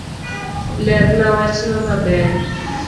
Lerna wachno maber